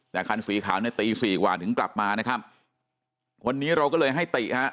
แต่คันสีขาวในตีสี่กว่าถึงกลับมานะครับวันนี้เราก็เลยให้ติฮะ